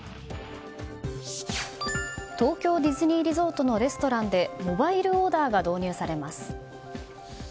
東京ディズニーリゾートのレストランでモバイルオーダーが導入されます。